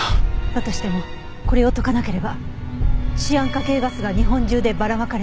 だとしてもこれを解かなければシアン化系ガスが日本中でばらまかれる。